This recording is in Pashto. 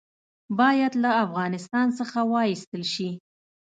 باید له افغانستان څخه وایستل شي.